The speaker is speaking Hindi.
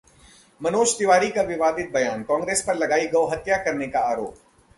मनोज तिवारी का विवादित बयान, कांग्रेस पर लगाया गौ-हत्या करने का आरोप